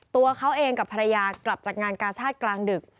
ตัวเขาเองกับภรรยากลับจากงานกาชาติกลางดึก